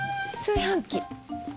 炊飯器？